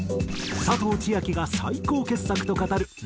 佐藤千亜妃が最高傑作と語る